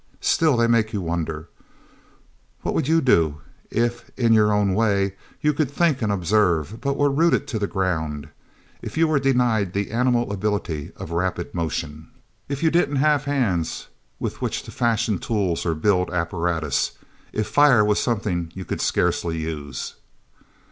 Still, they make you wonder: What would you do, if, in your own way, you could think and observe, but were rooted to the ground; if you were denied the animal ability of rapid motion, if you didn't have hands with which to fashion tools or build apparatus, if fire was something you could scarcely use?..."